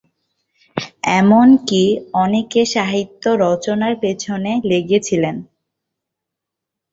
এমনকি অনেকে সাহিত্য রচনার পেছনে লেগেছিলেন।